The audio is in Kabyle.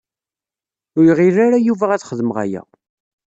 Ur iɣil ara Yuba ad xedmeɣ aya.